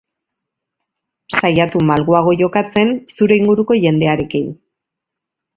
Saiatu malguago jokatzen zure inguruko jendearekin.